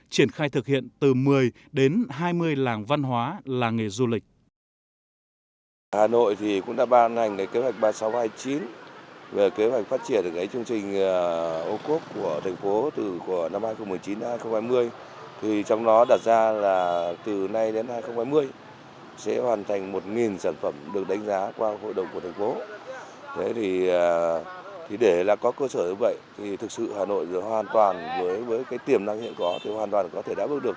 triển khai thực hiện từ một mươi đến hai mươi làng văn hóa là nghề du lịch